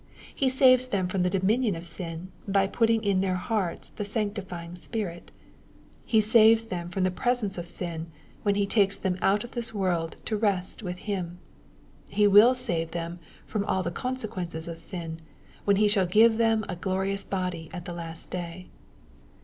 He saves them from the dominion of sin, by putting in their hearts the sanctifying Spirit. He saves them from the presence of sin, when He takes them out of this world to rest with Him. He will save them from all the conse quences of sin, when He shall give them a glorious body at the last day.